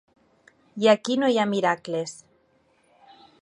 I aquí no hi ha miracles.